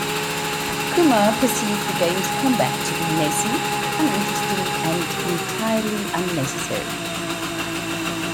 Kumar perceived the game's combat to be "messy", "uninteresting", and "entirely unnecessary".